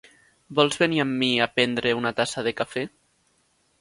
Vols venir amb mi a prendre una tassa de cafè?